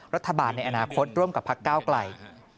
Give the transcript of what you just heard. รัฐบาลในอนาคตร่วมกับพักก้าวไกล